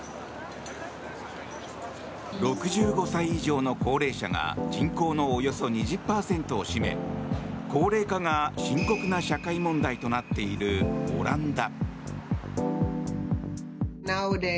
６５歳以上の高齢者が人口のおよそ２０％を占め高齢化が深刻な社会問題となっているオランダ。